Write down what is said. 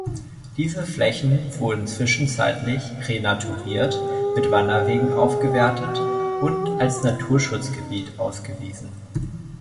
Diese Flächen wurden zwischenzeitlich renaturiert, mit Wanderwegen aufgewertet und als Naturschutzgebiet ausgewiesen.